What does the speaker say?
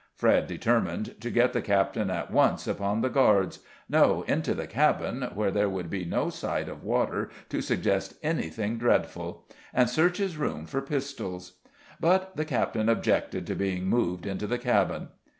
Fred determined to get the captain at once upon the guards no, into the cabin, where there would be no sight of water to suggest anything dreadful and search his room for pistols. But the captain objected to being moved into the cabin.